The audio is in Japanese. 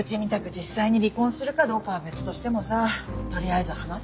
実際に離婚するかどうかは別としてもさ取りあえず話さないと。